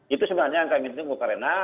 itu sebenarnya yang kami tunggu karena